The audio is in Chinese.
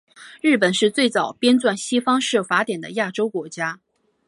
日本是最早编纂西方式法典的亚洲国家。